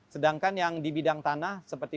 sedangkan yang di bidang tanah seperti